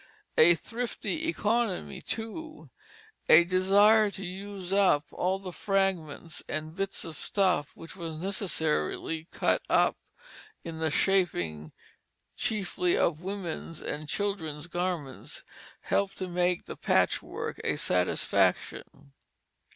A thrifty economy, too, a desire to use up all the fragments and bits of stuffs which were necessarily cut out in the shaping, chiefly of women's and children's garments, helped to make the patchwork a satisfaction.